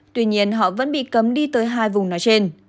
tuy nhiên họ vẫn bị cấm đi tới hai vùng nói trên